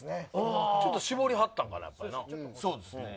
ちょっと絞りはったんかなやっぱり。